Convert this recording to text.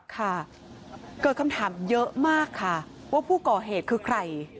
ค่ะเกิดคำถามเยอะมากค่ะว่าผู้ก่อเหตุคือใคร